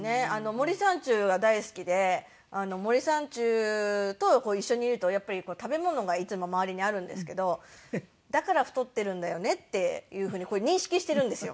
森三中が大好きで森三中と一緒にいるとやっぱり食べ物がいつも周りにあるんですけどだから太ってるんだよねっていうふうに認識してるんですよ。